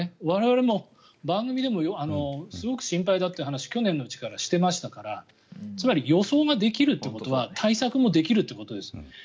我々も、番組でもすごく心配だって話を去年のうちからしていましたからつまり予想ができるということは対策もできるということです。